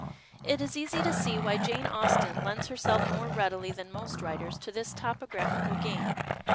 It is easy to see why Jane Austen lends herself more readily than most \vriters to this topographical pamc.